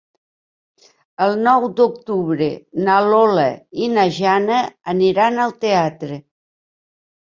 El nou d'octubre na Lola i na Jana aniran al teatre.